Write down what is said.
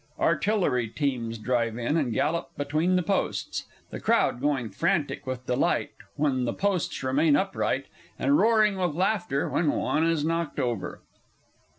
(_Artillery teams drive in, and gallop between the posts; the Crowd going frantic with delight when the posts remain upright, and roaring with laughter when one is knocked over.